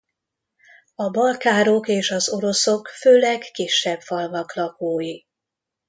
A balkárok és az oroszok főleg kisebb falvak lakói.